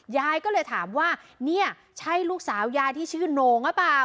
ยายก็เลยถามว่าเนี่ยใช่ลูกสาวยายที่ชื่อโหน่งหรือเปล่า